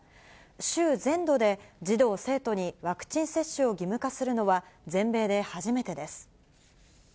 州全土で児童・生徒にワクチン接種を義務化するのは、全米で初めてです。